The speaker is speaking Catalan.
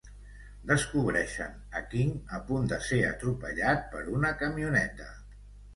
Descobreixen a King a punt de ser atropellat per una camioneta.